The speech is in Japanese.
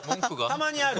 たまにある。